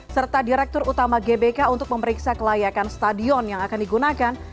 serta direktur utama gbk untuk memeriksa kelayakan stadion yang akan digunakan